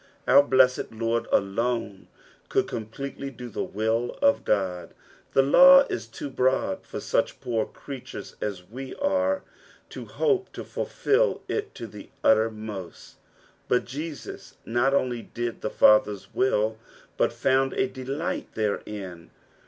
Our blessed Lord aloue could com pletely do the will of Ood. The Ian* is too broad for such poor creatures as we are to bope to fulfil it to the uttermost : but Jesus not only dia the Father's will, but funnd a delight therein.